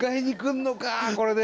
これで。